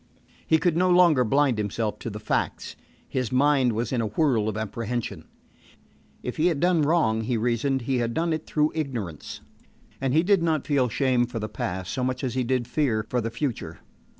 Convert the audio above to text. He could no longer blind himself to the facts. His mind was in a whirl of apprehension. If he had done wrong, he reasoned, he had done it through ignorance; and he did not feel shame for the past so much as he did fear for the future.